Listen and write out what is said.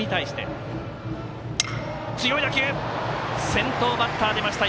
先頭バッター出ました。